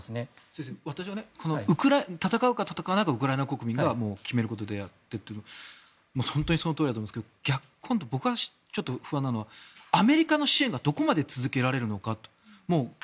先生、私はね戦うか戦わないかはウクライナ国民が決めることであって本当にそのとおりだと思うんですけど今度、逆に僕が不安なのはアメリカの支援がどこまで続けられるのかと。